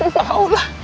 eh tau lah